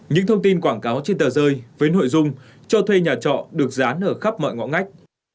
những thông tin quảng cáo trên tờ rơi với nội dung cho thuê nhà trọ được dán ở khắp mọi ngõ ngách